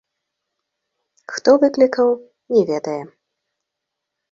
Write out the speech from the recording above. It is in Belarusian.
Хто выклікаў, не ведае.